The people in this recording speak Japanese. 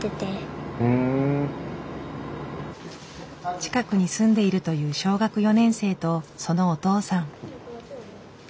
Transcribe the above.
近くに住んでいるという小学４年生とそのお父さん。